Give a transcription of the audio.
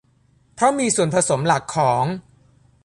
เพราะมีส่วนผสมหลักของ